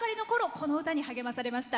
この歌に励まされました。